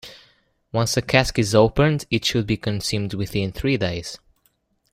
Once a cask is opened, it should be consumed within three days.